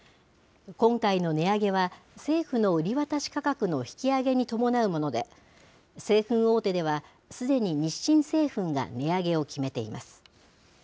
今回の値上げは、政府の売り渡し価格の引き上げに伴うもので、製粉大手ではすでに日清製粉が値上げを決めています。